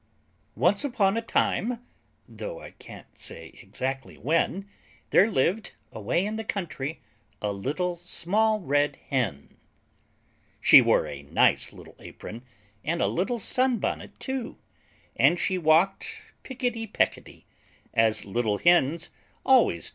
Once upon a time, Though I can't say exactly when, There lived, away in the country, A Little Small Red Hen. She wore a nice little apron, And a little sunbonnet too, And she walked picketty pecketty, As little Hens always do.